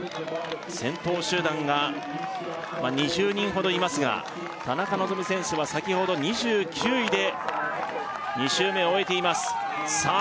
先頭集団が２０人ほどいますが田中希実選手は先ほど２９位で２周目を終えていますさあ